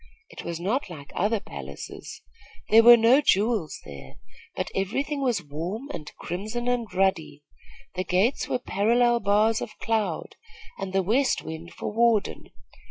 It was not like other palaces. There were no jewels there; but every thing was warm and crimson and ruddy. The gates were parallel bars of cloud, with the west wind for warden.